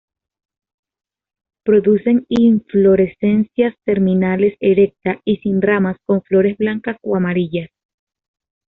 Producen inflorescencias terminales erecta y sin ramas con flores blancas o amarillas.